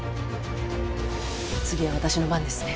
次は私の番ですね。